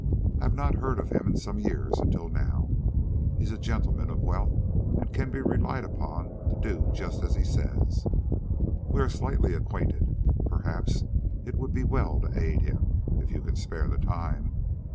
I have not heard of him in some years until now. He is a gentleman of wealth, and can be relied upon to do just as he says. We are slightly acquainted. Perhaps it would be well to aid him, if you can spare the time.